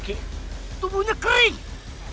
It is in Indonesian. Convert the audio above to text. kelirukan seluruh dunia